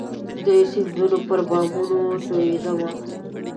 د سیندونو پر بامونو توئيدمه